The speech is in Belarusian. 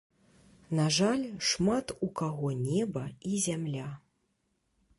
На жаль, шмат у каго неба і зямля.